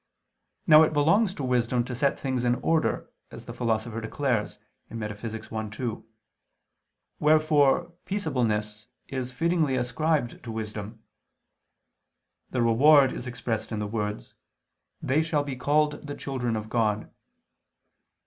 Now it belongs to wisdom to set things in order, as the Philosopher declares (Metaph. i, 2), wherefore peaceableness is fittingly ascribed to wisdom. The reward is expressed in the words, "they shall be called the children of God."